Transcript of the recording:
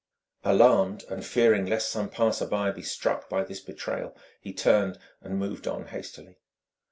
Alarmed and fearing lest some passer by be struck by this betrayal, he turned and moved on hastily.